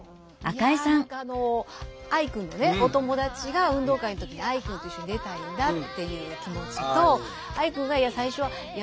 いや何か愛くんのお友達が運動会の時に愛くんと一緒に出たいんだっていう気持ちと愛くんが最初はいや